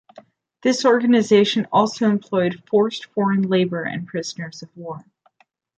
This organization also employed forced foreign labor and prisoners of war.